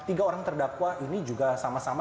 dan tiga orang terdakwa ini juga sama sama